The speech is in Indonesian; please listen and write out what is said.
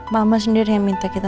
mama sendiri yang minta kita